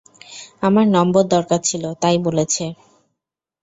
আমার নম্বর দরকার ছিল, তাই বলেছে।